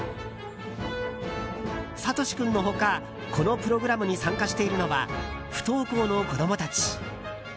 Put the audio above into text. さとし君の他、このプログラムに参加しているのは不登校の子供たち。